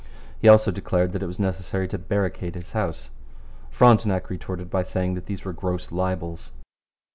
He also declared that it was necessary to barricade his house. Frontenac retorted by saying that these were gross libels.